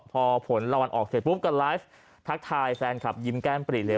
พอผลรางวัลออกเสร็จปุ๊บก็ไลฟ์ทักทายแฟนคลับยิ้มแก้มปรีเลย